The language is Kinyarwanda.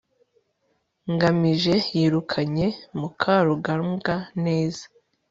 ngamije yirukanye mukarugambwa neza